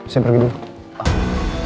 saya pergi dulu